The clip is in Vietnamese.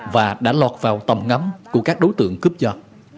và đã lọt vào tầm ngắm của các đối tượng cướp dật